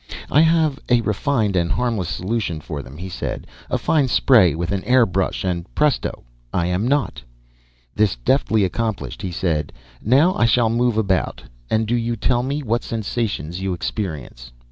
"I have a refined and harmless solution for them," he said. "A fine spray with an air brush, and presto! I am not." This deftly accomplished, he said, "Now I shall move about, and do you tell me what sensations you experience."